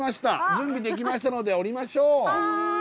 準備できましたので降りましょう。